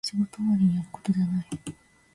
仕事終わりにやることじゃない